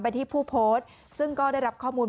ที่ผู้โพสต์ซึ่งก็ได้รับข้อมูล